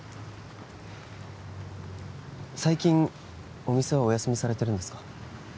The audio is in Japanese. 最近お店はお休みされてるんですか？